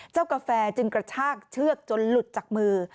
กาแฟจึงกระชากเชือกจนหลุดจากมือ